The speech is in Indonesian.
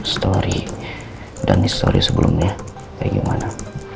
story dan histori sebelumnya kayak gimana